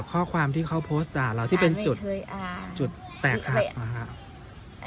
ข้อความที่เขาโพสต์ด่าเราที่เป็นจุดจุดแตกหักนะครับ